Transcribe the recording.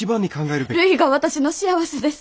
るいが私の幸せです。